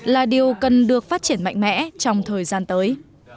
là điều cần được phát triển mạnh mẽ trong thời gian tới